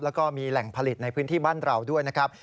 แล้วก็มีแหล่งผลิตในพื้นที่บ้านเราด้วยนะครับ